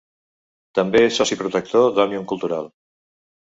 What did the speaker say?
També és soci protector d’Òmnium Cultural.